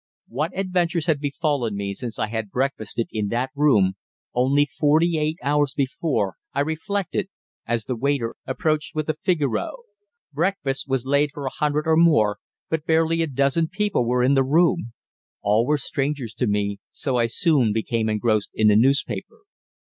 What adventures had befallen me since I had breakfasted in that room, only forty eight hours before, I reflected, as the waiter approached with the Figaro. Breakfast was laid for a hundred or more, but barely a dozen people were in the room. All were strangers to me, so I soon became engrossed in the newspaper.